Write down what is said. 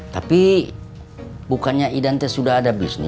tapi bukannya identitas sudah ada bisnis